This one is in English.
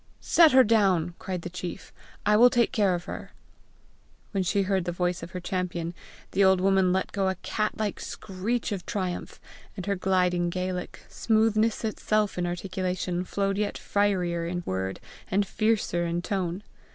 "Set her down," cried the chief. "I will take care of her." When she heard the voice of her champion, the old woman let go a cat like screech of triumph, and her gliding Gaelic, smoothness itself in articulation, flowed yet firier in word, and fiercer in tone.